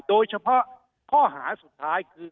โดยเฉพาะข้อหาสุดท้ายคือ